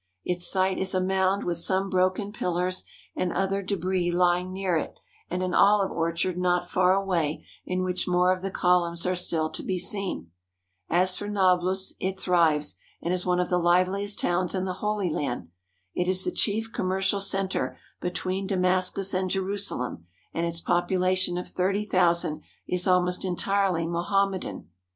Its site is a mound with some broken pillars and other debris lying near it and an olive orchard not far away in which more of the columns are still to be seen. As for Nablus, it thrives, and is one of the liveliest towns in the Holy Land. It is the chief commercial cen^ tre between Damascus and Jerusalem, and its population of thirty thousand is almost entirely Mohammedan.